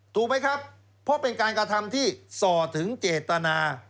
ถูกไหมครับเพราะเป็นการกระทำที่ส่อถึงเจตนา